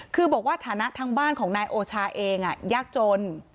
คือบอกว่าฐานะทางบ้านของนายโอชาเองยากจน